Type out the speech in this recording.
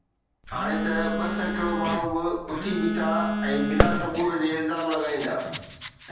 هاڻي ته ٻه سيڪڙو ماڻهو به اٿي بيٺا ۽ بنا ثبوت جي الزام لڳائيندا